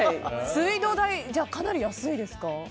水道代、かなり安いですか？